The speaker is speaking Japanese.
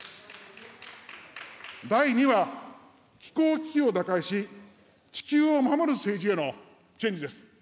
第２は、気候危機を打開し、地球を守る政治へのチェンジです。